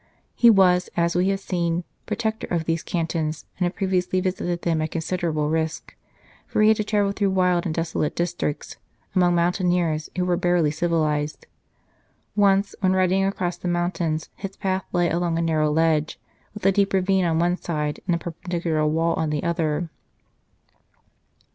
He was, as we have seen, protector of these cantons, and had previously visited them at considerable risk ; for he had to travel through wild and desolate districts, amongst mountaineers who were barely civilized. Once, when riding across the mountains, his path lay along a narrow ledge, with a deep ravine on one side and a perpendicular wall on the other.